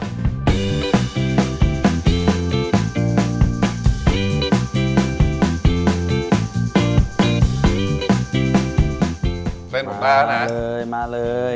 เส้นผมปลาแล้วนะมาเลยมาเลย